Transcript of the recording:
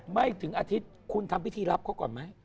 ไม่ถึงอาทิตย์คุณทำพิธีรับเขาก่อนไหม